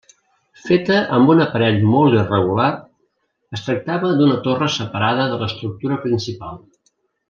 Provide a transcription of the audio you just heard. Feta amb un aparell molt irregular, es tractava d'una torre separada de l'estructura principal.